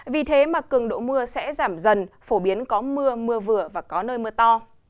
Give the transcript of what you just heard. vì thế mà cường độ mưa sẽ giảm dần phổ biến có mưa mưa vừa và có nơi mưa to